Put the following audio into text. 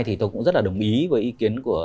thì tôi cũng rất là đồng ý với ý kiến của